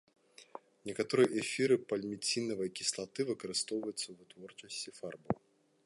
Некаторыя эфіры пальміцінавай кіслаты выкарыстоўваюцца ў вытворчасці фарбаў.